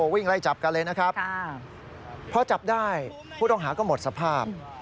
วิ่งไล่จับกันเลยนะครับพอจับได้ผู้ต้องหาก็หมดสภาพ